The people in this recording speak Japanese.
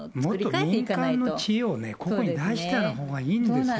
もっと民間の知恵をここに出したほうがいいんですよ。